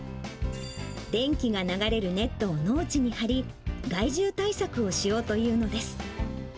電気が流れるネットを農地に張り、害獣対策をしようというのです。